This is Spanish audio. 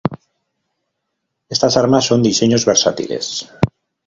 Estas armas son diseños versátiles.